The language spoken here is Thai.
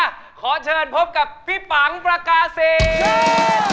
ขอเชิญพบกับพี่ปังประกาศี